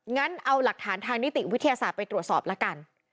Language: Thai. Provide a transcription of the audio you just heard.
งั้นเอาหลักฐานทางนิติวิทยาศาสตร์ไปตรวจสอบละกัน